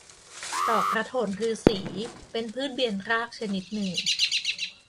ดอกกระโถนฤๅษี เป็นพืชเบียนรากชนิดหนึ่ง